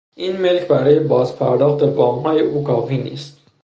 این ملک برای بازپرداخت وامهای او کافی نیست.